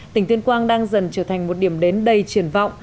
tỉnh tuyên quang đang dần trở thành một điểm đến đầy triển vọng